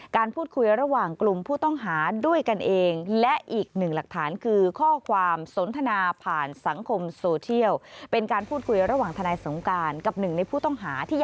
การพูดคุยระหว่างกลุ่มผู้ต้องหาด้วยกันเอง